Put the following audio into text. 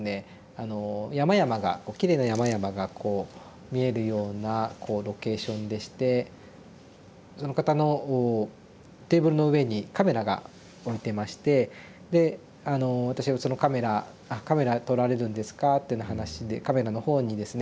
あの山々がきれいな山々がこう見えるようなこうロケーションでしてその方のテーブルの上にカメラが置いてましてで私がそのカメラ「あカメラ撮られるんですか」ってな話でカメラの方にですね